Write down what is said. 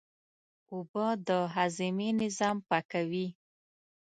اوبه د هاضمې نظام پاکوي